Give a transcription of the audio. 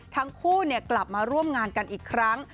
ทั้งคู่กลับมาร่วมงานกันอีกครั้ง